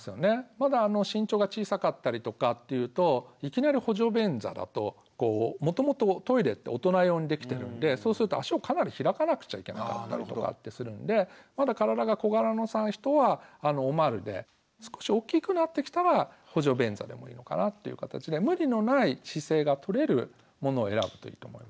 まだ身長が小さかったりとかっていうといきなり補助便座だとこうもともとトイレって大人用にできてるんでそうすると足をかなり開かなくちゃいけなかったりとかってするんでまだ体が小柄さんの人はおまるで少し大きくなってきたら補助便座でもいいのかなっていう形で無理のない姿勢がとれるものを選ぶといいと思いますね。